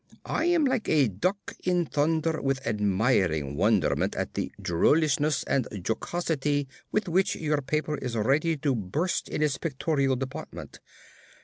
I am like a duck in thunder with admiring wonderment at the drollishness and jocosity with which your paper is ready to burst in its pictorial department.